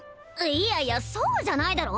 いやいやそうじゃないだろ